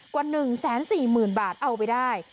กว่า๑๔๐๐๐บาทเอาไปได้